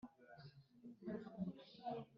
uwatsinze siwe uhorana ukuri.